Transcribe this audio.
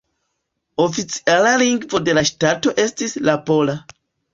Oficiala lingvo de la ŝtato estis la pola.